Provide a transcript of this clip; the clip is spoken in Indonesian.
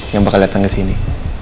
yang bakal datang ke sini